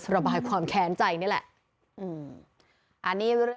ระบายความแค้นใจนี่แหละ